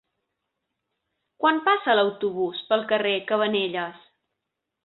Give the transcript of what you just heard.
Quan passa l'autobús pel carrer Cabanelles?